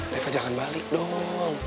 leva jangan balik dong